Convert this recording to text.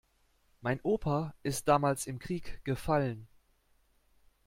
Mein Opa ist damals im Krieg gefallen.